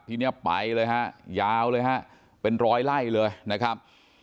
ทีนี้ไปเลยฮะยาวเลยฮะเป็นร้อยไล่เลยนะครับ